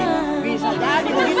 bisa badi begitu